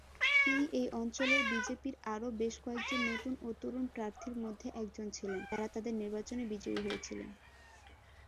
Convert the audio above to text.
তিনি এই অঞ্চলের বিজেপির আরও বেশ কয়েকজন নতুন ও তরুণ প্রার্থীর মধ্যে একজন ছিলেন, যারা তাদের নির্বাচনে বিজয়ী হয়েছিলেন।